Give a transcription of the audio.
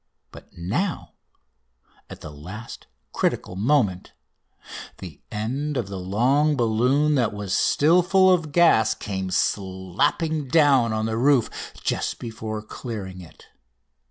But now, at the last critical moment, the end of the long balloon that was still full of gas came slapping down on the roof just before clearing it.